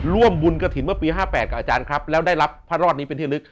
ร่วมบุญกระถิ่นเมื่อปี๕๘กับอาจารย์ครับแล้วได้รับพระรอดนี้เป็นที่ลึก